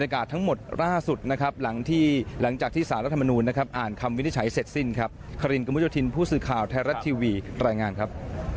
ทั้งหมดล่าสุดนะครับหลังจากที่หลังจากที่สารรัฐมนูลนะครับอ่านคำวินิจฉัยเสร็จสิ้นครับคารินกระมุดโยธินผู้สื่อข่าวไทยรัฐทีวีรายงานครับ